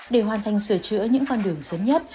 để hoàn thành sửa chữa những con đường sớm nhất